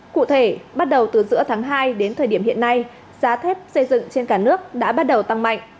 cụ thể bắt đầu từ giữa tháng hai đến thời điểm hiện nay giá thép xây dựng trên cả nước đã bắt đầu tăng mạnh